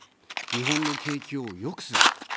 日本の景気を良くする。